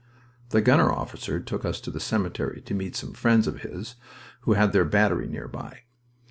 The gunner officer took us to the cemetery, to meet some friends of his who had their battery nearby.